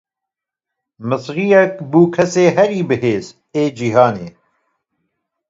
Misiriyek bû kesê herî bihêz ê cîhanê.